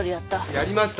やりました！